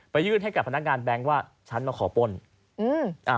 ไปยืนให้กับพนักงานแบงก์ว่าฉันมาขอปล้น